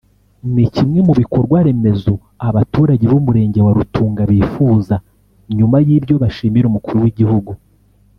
ni kimwe mu bikorwaremezo abaturage b’Umurenge wa Rutunga bifuza nyuma y’ibyo bashimira Umukuru w’igihugu